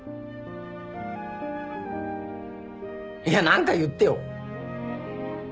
いや何か言ってよ。